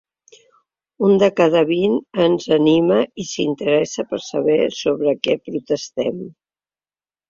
Un de cada vint ens anima i s’interessa per saber sobre què protestem.